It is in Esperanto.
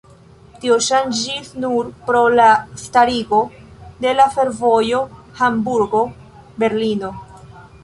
Tio ŝanĝis nur pro la starigo de la fervojo Hamburgo-Berlino.